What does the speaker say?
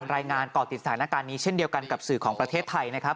รายงานก่อติดสถานการณ์นี้เช่นเดียวกันกับสื่อของประเทศไทยนะครับ